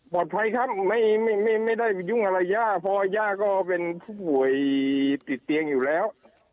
ภัยครับไม่ได้ยุ่งอะไรย่าเพราะว่าย่าก็เป็นผู้ป่วยติดเตียงอยู่แล้ว